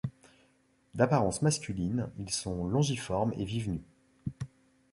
D'apparence masculine, ils sont longiformes et vivent nus.